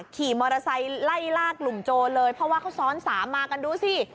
ขี่มอเตอร์ไซค์ไล่ลากกลุ่มโจรเลยเพราะว่าเขาซ้อนสามมากันดูสิ